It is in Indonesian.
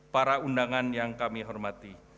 para undangan yang kami hormati